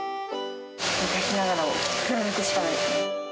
昔ながらを貫くしかない。